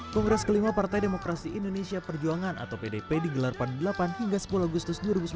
kongres kelima partai demokrasi indonesia perjuangan atau pdp digelar pada delapan hingga sepuluh agustus dua ribu sembilan belas